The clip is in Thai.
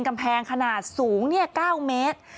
กำแพงขนาดสูง๙เมตร